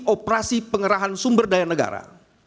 operasi pengerahan sumber daya negara